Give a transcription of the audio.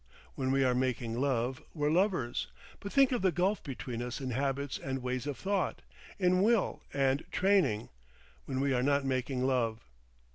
When we are making love we're lovers—but think of the gulf between us in habits and ways of thought, in will and training, when we are not making love.